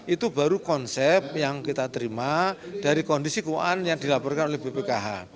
itu baru konsep yang kita terima dari kondisi keuangan yang dilaporkan oleh bpkh